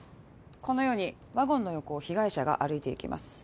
このようにワゴンの横を被害者が歩いていきます